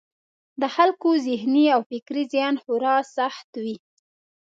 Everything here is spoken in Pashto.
د خلکو ذهني او فکري زیان خورا سخت وي.